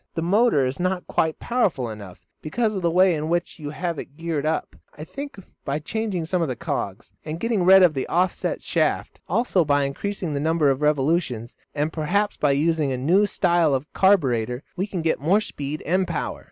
"The motor is not quite powerful enough because of the way in which you have it geared up. I think by changing some of the cogs, and getting rid of the off set shaft, also by increasing the number of revolutions, and perhaps by using a new style of carburetor, we can get more speed and power."